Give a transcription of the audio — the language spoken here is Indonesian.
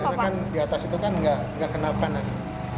karena kan di atas itu kan gak kena panas